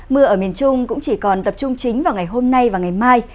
mưa ở miền trung cũng chỉ còn tập trung chính vào ngày hôm nay và ngày mai